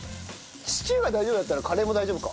シチューが大丈夫だったらカレーも大丈夫か。